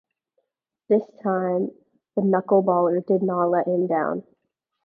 This time, the knuckleballer did not let him down.